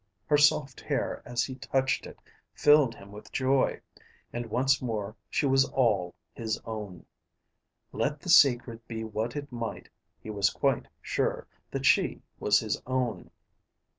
Her soft hair as he touched it filled him with joy. And once more she was all his own. Let the secret be what it might, he was quite sure that she was his own.